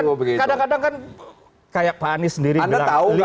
kadang kadang kan kayak pak anies sendiri bilang